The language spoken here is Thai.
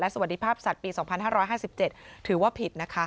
สวัสดีภาพสัตว์ปี๒๕๕๗ถือว่าผิดนะคะ